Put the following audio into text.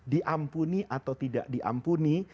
diampuni atau tidak diampuni